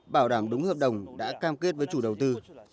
bảo đảm đúng hợp đồng đã cam kết với chủ đầu tư